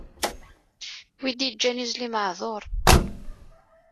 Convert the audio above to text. Wi d-iǧǧan izli maɛduṛ.